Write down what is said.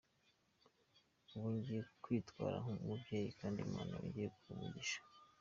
Ubu ngiye kwitwa umubyeyi kandi Imana yongeye kumpa umugisha.